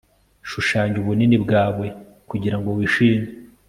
shushanya ubunini bwawe kugirango wishime